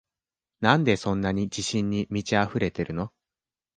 なんでそんなに自信に満ちあふれてるの？